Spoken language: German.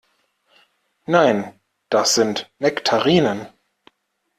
Nein, das sind Nektarinen.